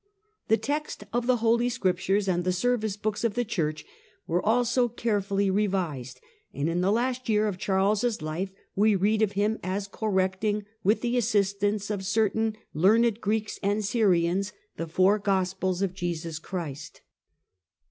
The text of the Holy Scriptures and the service books of the Church were also carefully revised, and in the last year of Charles' life we read of him as " correcting, with the assistance of certain learned Greeks and Syrians, the four gospels of Jesus Christ